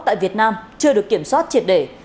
tại việt nam chưa được kiểm soát triệt để